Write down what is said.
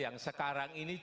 yang sekarang ini